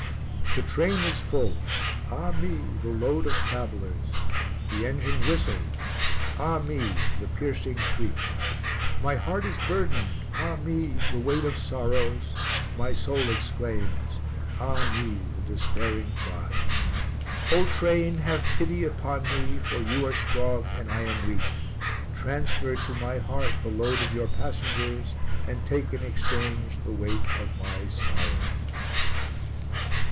The train is full; Ah me! the load of travellers! The engine whistles; Ah me! the piercing shriek! My heart is burdened; Ah me! the weight of sorrows! My soul exclaims; Ah me! the despairing cry! O Train! have pity upon me For you are strong and I am weak, Transfer to my heart the load of your passengers And take in exchange the weight of my sorrows.